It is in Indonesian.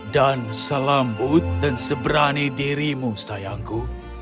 dan selambut dan seberani dirimu sayangku